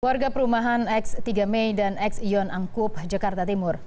warga perumahan x tiga mei dan x yon angkup jakarta timur